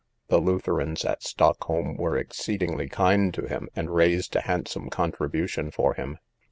The Lutherans at Stockholm were exceedingly kind to him and raised a handsome contribution for him.